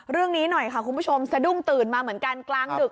เรื่องนี้หน่อยค่ะคุณผู้ชมสะดุ้งตื่นมาเหมือนกันกลางดึก